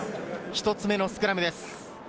１つ目のスクラムです。